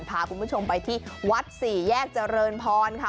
พาคุณผู้ชมไปที่วัดสี่แยกเจริญพรค่ะ